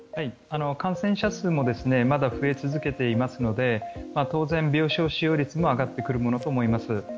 感染者数もまだ増え続けていますので当然、病床使用率も上がってくるものと思われます。